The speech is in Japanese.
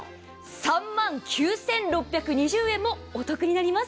３万９６２０円もお得になります。